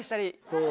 そう。